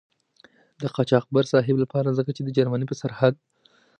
د قاچاقبر صاحب له پاره ځکه چې د جرمني په سرحد.